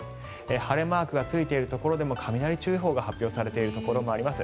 晴れマークがついているところでも雷注意報が発表されているところもあります。